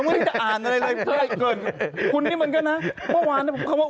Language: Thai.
เพราะเนี่ยหน้ากลัวฮัง